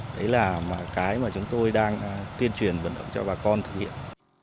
đấy là cái mà chúng tôi đang tuyên truyền vận động cho bà con thực hiện